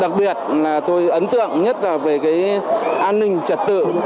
đặc biệt tôi ấn tượng nhất là về an ninh trả tự